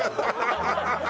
ハハハハ！